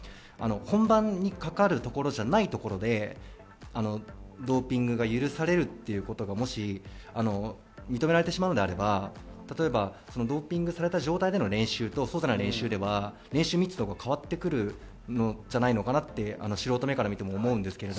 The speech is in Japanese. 本番にかかるところじゃないところで、ドーピングが許されるということがもし認められてしまうのであれば、例えばドーピングされた状態での練習と、そうじゃない練習では練習密度が変わってくるんじゃないかなと素人目から見ても思います。